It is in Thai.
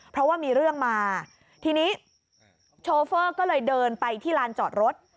เพราะว่ามีเรื่องมาทีนี้โชเฟอร์ก็เลยเดินไปที่ลานจอดรถ